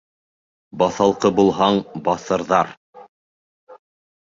Баҫалҡы булһаң, баҫырҙар